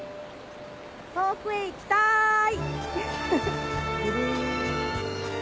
遠くへ行きたい！